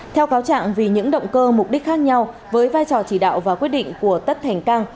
theo cáo trạng vì những động cơ mục đích khác nhau với vai trò chỉ đạo và quyết định của tất thành cang